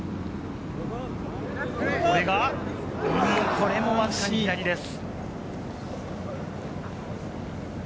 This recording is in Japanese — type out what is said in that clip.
これも、わずかに左です。